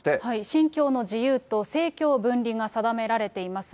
信教の自由と、政教分離が定められています。